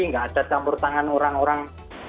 nggak ada campur tangan orang orang